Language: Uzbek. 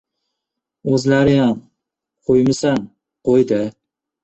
— O‘zlariyam... qo‘ymisan qo‘y-da!